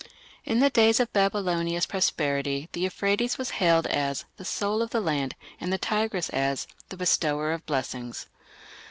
In the days of Babylonia's prosperity the Euphrates was hailed as "the soul of the land" and the Tigris as "the bestower of blessings".